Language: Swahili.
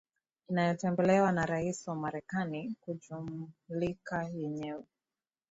inayotembelewa na Rais wa Marekani kujimulika yenyewe